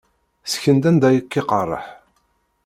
Ssken-d anda i k-iqerreḥ.